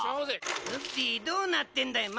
「ウッディどうなってんだよ。